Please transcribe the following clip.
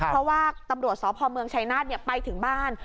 เพราะว่าตำรวจสพเมืองชายนาฏไปถึงบ้าน